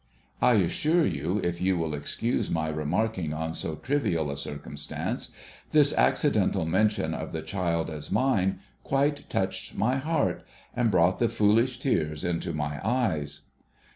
I assure you, if you will excuse my remarking on so trivial a circumstance, this accidental mention of the child as mine, quite touched my heart and brought the foolish tears into my eyes.